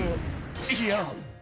［いや］